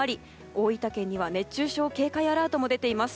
大分県には熱中症警戒アラートも出ています。